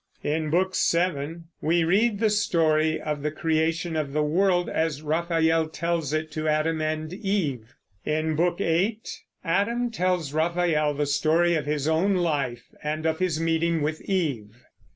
In Book VII we read the story of the creation of the world as Raphael tells it to Adam and Eve. In Book VIII Adam tells Raphael the story of his own life and of his meeting with Eve.